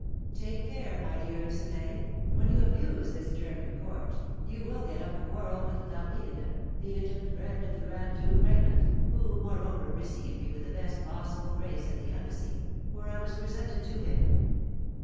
"Take care, my dear Lucenay. When you abuse this German court, you will get up a quarrel with D'Harville, the intimate friend of the grand duke regnant, who, moreover, received me with the best possible grace at the embassy, where I was presented to him."